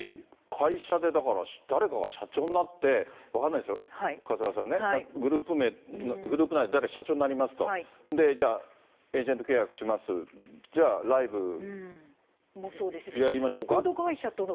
会社でだから誰かが社長になって、分かんないですよ、長谷川さんね、グループ内でじゃあ、誰が社長になりますかとか、じゃあ、エージェント契約します、じゃあ、ライブやりましょうか。